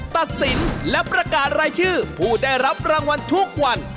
ตัดสินและประกาศรายชื่อผู้ได้รับรางวัลทุกวัน